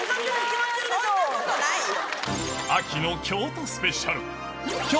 そんなことないよ。